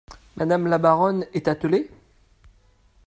Madame la baronne est attelée !…